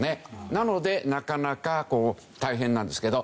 なのでなかなか大変なんですけど。